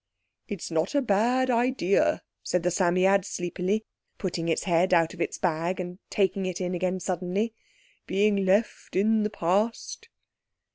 "It's not a bad idea," said the Psammead sleepily, putting its head out of its bag and taking it in again suddenly, "being left in the Past."